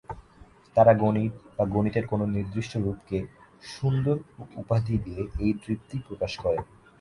তারা গণিত বা গণিতের কোন নির্দিষ্ট রূপকে "সুন্দর" উপাধি দিয়ে এই তৃপ্তি প্রকাশ করেন।